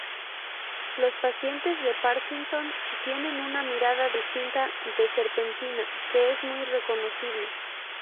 Los pacientes de Parkinson tienen una mirada distinta de serpentina que es muy reconocible.